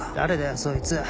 そいつ。